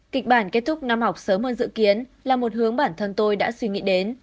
kịch bản kết thúc năm học sớm hơn dự kiến là một hướng bản thân tôi đã suy nghĩ đến